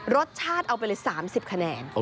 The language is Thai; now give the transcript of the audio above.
รสชาติเอาไปเลย๓๐คะแนน